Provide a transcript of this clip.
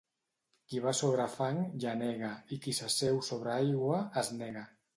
Qui va sobre fang, llenega, i qui s'asseu sobre aigua, es nega.